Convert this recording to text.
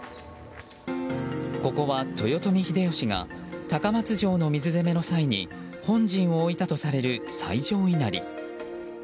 ここは豊臣秀吉が高松城の水攻めの際に本陣を置いたとされる最上稲荷。